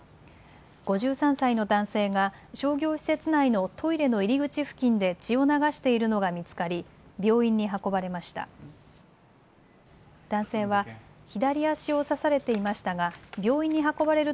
５３歳の男性が商業施設内のトイレの入り口付近で血を流しているのが見つかり病院に運ばれました。